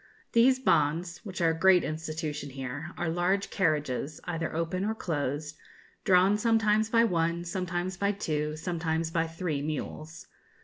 These 'bonds,' which are a great institution here, are large carriages, either open or closed, drawn sometimes by one, sometimes by two, sometimes by three mules.